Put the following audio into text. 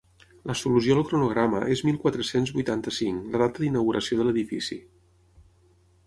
La solució al cronograma és mil quatre-cents vuitanta-cinc, la data d'inauguració de l'edifici.